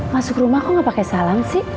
masuk rumah kok nggak pakai salam sih